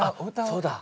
そうだ。